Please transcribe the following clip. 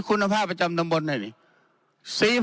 คุณภาพประจำตำบลนี่